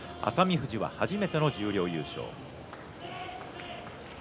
富士は初めての十両優勝。